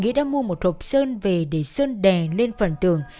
nghĩa đã mua một hộp sơn về để sơn đè lên phần tường